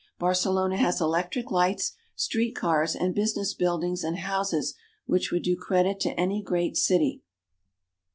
Barcelona has electric lights, street cars, and business buildings and houses which would do credit to any great city.